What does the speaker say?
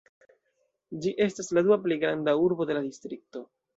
Ĝi estas la dua plej granda urbo de la distrikto.